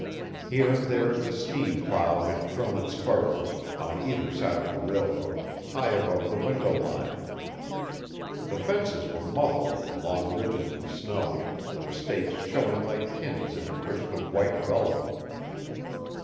Here and there the steam plough had thrown its furrows, on either side of the railroad, high above the window line. The fences were muffled in long ridges of snow, their stakes showing like pins in a cushion of white velvet.